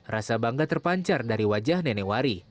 rasa bangga terpancar dari wajah nenek wari